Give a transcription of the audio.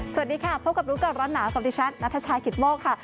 สวัสดีค่ะพบกับรู้ก่อนร้อนหนาวกับดิฉันนัทชายกิตโมกค่ะ